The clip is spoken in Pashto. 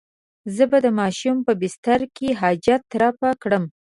زه به د ماشوم په بستره کې حاجت رفع کړم.